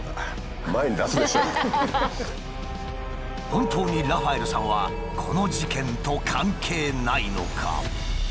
本当にラファエルさんはこの事件と関係ないのか？